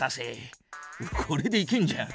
これでいけんじゃん。